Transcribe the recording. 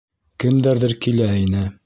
Кемдәрҙер килә ине.